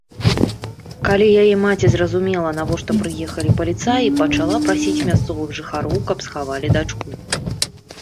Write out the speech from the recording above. Калі яе маці зразумела, навошта прыехалі паліцаі, пачала прасіць мясцовых жыхароў, каб схавалі дачку.